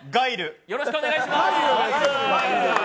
よろしくお願いします！